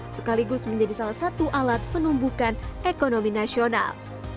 sekaligus menjadi salah satu alat penumbukan ekonomi nasional